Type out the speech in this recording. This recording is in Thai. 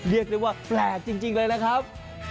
เรียกได้ว่าแปลกจริงเลยนะครับ